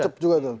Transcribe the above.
kecep juga tuh